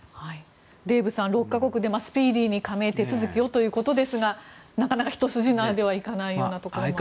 デーブさん６か国でスピーディーに加盟手続きをということですがなかなか一筋縄ではいかないようです。